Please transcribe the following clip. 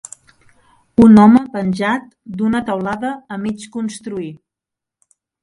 Un home penjat d'una taulada a mig construir.